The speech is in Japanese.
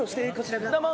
どうも！